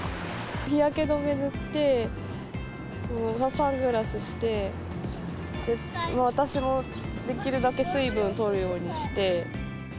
日焼け止め塗って、サングラスして、私もできるだけ水分をとるようにして。